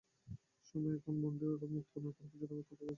Sumo এখানে বন্দি, ওকে মুক্ত না করা পর্যন্ত আমি কোথাও যাচ্ছি না।